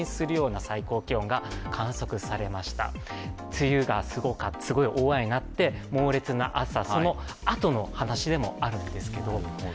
梅雨がすごい大雨になって猛烈な暑さ、そのあとの話でもあるんですけど。